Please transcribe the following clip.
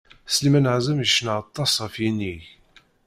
Sliman Azem yecna aṭas ɣef yinig.